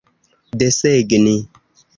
desegni